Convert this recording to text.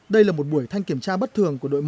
đây là một buổi thanh kiểm tra bất thường của đội một